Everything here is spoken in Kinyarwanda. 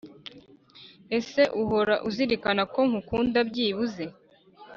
Ese uhora uzirikana ko ngukunda byibuze